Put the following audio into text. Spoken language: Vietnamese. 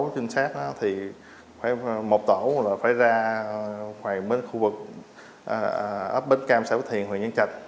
cái tổ chính xác đó thì một tổ là phải ra khu vực ấp bến cam xã quốc thiền huyện nhân trạch